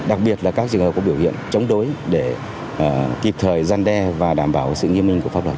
đặc biệt là các trường hợp có biểu hiện chống đối